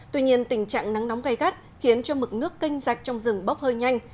tuy nhiên tình trạng nắng nóng gây gắt khiến cho mực nước canh rạch trong rừng bóp hơi nhanh